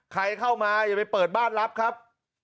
ใครเข้ามาอย่าไปเปิดบ้านรับครับ